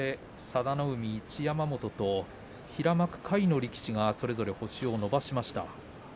佐田の海、一山本と平幕下位の力士が星を伸ばしました。